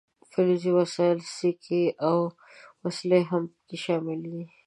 فلزي وسایل سیکې او وسلې هم پکې شاملې دي.